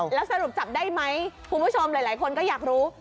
แล้วสรุปจับได้ไหมคุณผู้ชมหลายคนก็อยากรู้